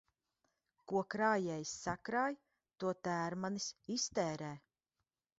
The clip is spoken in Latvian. Ko krājējs sakrāj, to tērmanis iztērē.